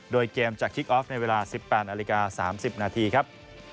โดยเกมจากคิกออฟในเวลา๑๘นาฬิกา๓๐นาทีครับ